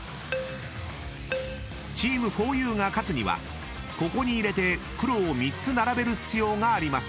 ［チームふぉゆが勝つにはここに入れて黒を３つ並べる必要があります］